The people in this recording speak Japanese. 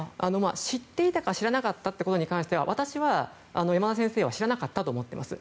知っていたか知らなかったかに関しては私は山田先生は知らなかったと思っています。